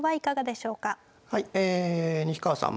はいえ西川さん